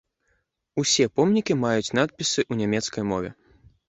Усе помнікі маюць надпісы ў нямецкай мове.